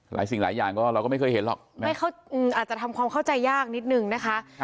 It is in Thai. สิ่งหลายอย่างก็เราก็ไม่เคยเห็นหรอกอาจจะทำความเข้าใจยากนิดนึงนะคะ